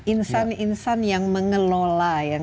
insan insan yang mengelola